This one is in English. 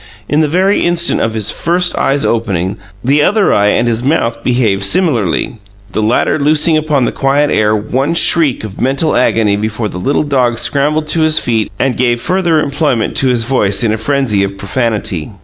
In the very instant of his first eye's opening, the other eye and his mouth behaved similarly, the latter loosing upon the quiet air one shriek of mental agony before the little dog scrambled to his feet and gave further employment to his voice in a frenzy of profanity.